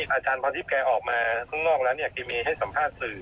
อาจารย์พรทิพย์แกออกมาข้างนอกแล้วเนี่ยแกเมย์ให้สัมภาษณ์สื่อ